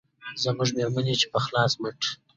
زموږ مېرمنې چې په خلاص مټ